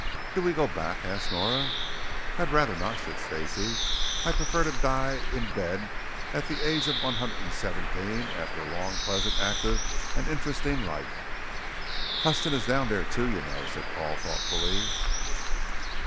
"Do we go back?" asked Nora. "I'd rather not," said Stacey. "I prefer to die in bed at the age of one hundred and seventeen after a long, pleasant, active, and interesting life." "Huston is down there, too, you know," said Paul thoughtfully.